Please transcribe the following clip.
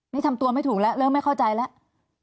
นี่ทำตัวไม่ถูกแล้วเริ่มไม่เข้าใจแล้ว